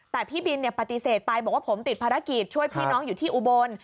แต่พี่บินปฏิเสธไปบอกว่าผมติดภารกิจช่วยพี่น้องอยู่ที่อุบล